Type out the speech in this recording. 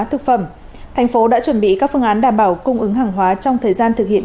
thực phẩm thành phố đã chuẩn bị các phương án đảm bảo cung ứng hàng hóa trong thời gian thực hiện